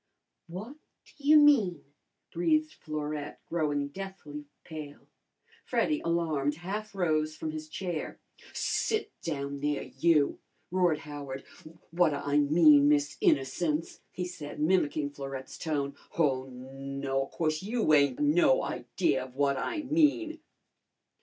"What ta you mean?" breathed Florette, growing deathly pale. Freddy, alarmed, half rose from his chair. "Sit down there you!" roared Howard. "What ta I mean, Miss Innocence?" he said, mimicking Florette's tone. "Oh, no, of course you ain't no idea of what I mean!"